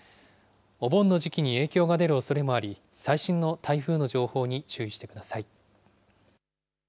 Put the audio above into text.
お盆の時期に影響が出るおそれもあり、最新の台風の情報に注意してください。